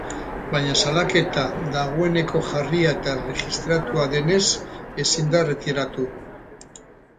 Baina salaketa dagoeneko jarria eta erregistratua denez, ezin da erretiratu.